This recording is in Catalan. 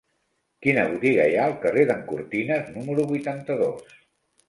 Quina botiga hi ha al carrer d'en Cortines número vuitanta-dos?